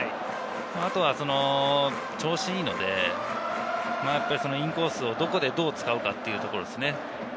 あとは調子がいいので、インコースをどこでどう使うかというところですね。